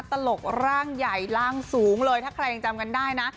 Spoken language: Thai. ตลกร่างใหญ่ร่างสูงเลยถ้าใครยังจำกันได้นะ